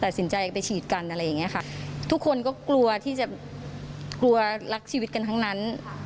ตัดสินใจไปฉีดกันอะไรอย่างเงี้ยค่ะทุกคนก็กลัวที่จะกลัวรักชีวิตกันทั้งนั้น